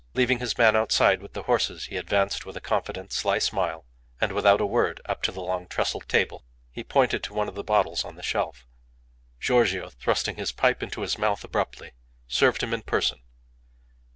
Leaving his man outside with the horses he advanced with a confident, sly smile, and without a word up to the long trestle table. He pointed to one of the bottles on the shelf; Giorgio, thrusting his pipe into his mouth abruptly, served him in person.